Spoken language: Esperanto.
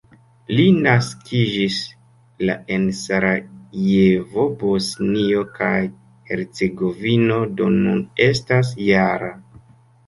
Li naskiĝis la en Sarajevo, Bosnio kaj Hercegovino, do nun estas -jara.